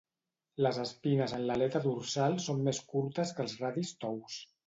Les espines en l'aleta dorsal són més curtes que els radis tous.